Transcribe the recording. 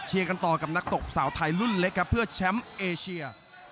กันต่อกับนักตบสาวไทยรุ่นเล็กครับเพื่อแชมป์เอเชีย